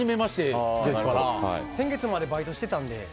先月までバイトしてたんで。